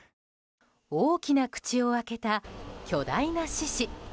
大きな口を開けた巨大な獅子。